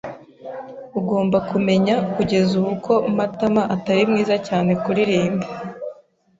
Ugomba kumenya kugeza ubu ko Matama atari mwiza cyane kuririmba.